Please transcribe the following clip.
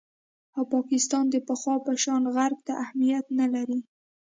او پاکستان د پخوا په شان غرب ته اهمیت نه لري